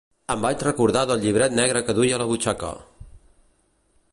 Em vaig recordar del llibret negre que duia a la butxaca!